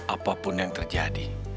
apapun yang terjadi